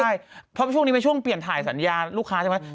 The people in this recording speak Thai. ใช่เพราะช่วงนี้เป็นช่วงเปลี่ยนถ่ายสัญญาลูกค้าใช่ไหม